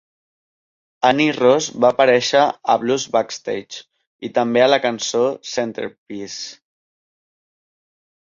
Annie Ross va aparèixer a "Blues Backstage" i també a la cançó "Centerpiece".